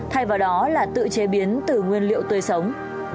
thay vào đó là tự chế biến từ nguyên liệu tươi sống